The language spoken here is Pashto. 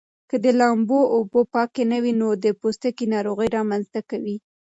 که د لامبو اوبه پاکې نه وي نو د پوستکي ناروغۍ رامنځته کوي.